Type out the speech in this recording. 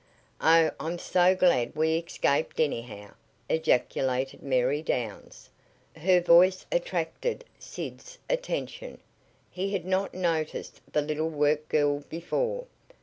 "Oh, I'm so glad we escaped, anyhow!" ejaculated Mary Downes. Her voice attracted Sid's attention. He had not noticed the little work girl before.